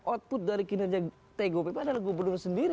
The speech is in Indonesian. output dari kinerja tgpp adalah gubernur sendiri